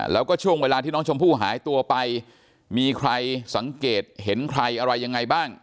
แล้วก็ช่วงเวลาที่น้องชมพู่หายตัวไปมีใครสังเกตเห็นใครอะไรยังไงบ้าง